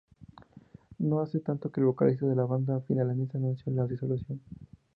No hace tanto que el vocalista de la banda finlandesa anunció la disolución.